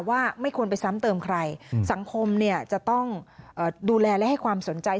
ว่าไม่ควรไปซ้ำเติมใครสังคมเนี่ยจะต้องดูแลและให้ความสนใจ